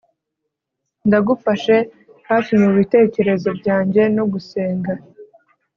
ndagufashe hafi mubitekerezo byanjye no gusenga